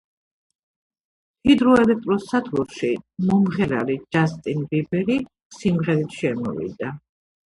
ჰიდროელექტროსადგურში მომღრალი ჯასტინ ბიბერი სიმღრით შემოვიდა